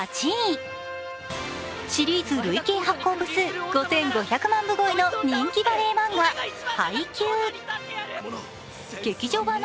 シリーズ累計発行部数５５００万部超えの人気バレー漫画「ハイキュー！！」。